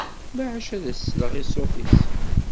Maɛac ad as-sleɣ i ṣṣut-is.